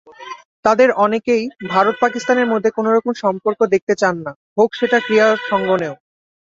তাঁদের অনেকেই ভারত-পাকিস্তানের মধ্যে কোনোরকম সম্পর্ক দেখতে চান না, হোক সেটা ক্রীড়াঙ্গনেও।